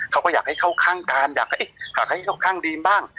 เขาก็อยากให้เข้าข้างกันอยากให้เข้าข้างดีมบ้าง